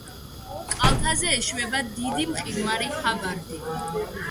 კალთაზე ეშვება დიდი მყინვარი ჰაბარდი.